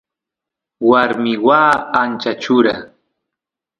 warmi waa ancha chura